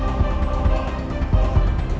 kau sekarang bisa dateng masuk